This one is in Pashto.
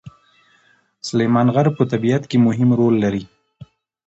سلیمان غر په طبیعت کې مهم رول لري.